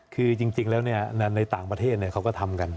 คือจริงแล้วในต่างประเทศเขาก็ทำกัน